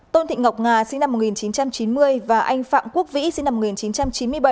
tôn thị ngọc nga sinh năm một nghìn chín trăm chín mươi và anh phạm quốc vĩ sinh năm một nghìn chín trăm chín mươi bảy